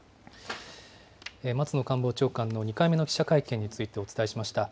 松野官房長官の２回目の記者会見についてお伝えしました。